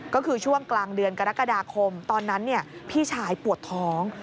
ก็คือช่วงกลางเดือนกรกฎาคมตอนนั้นพี่ชายปวดท้อง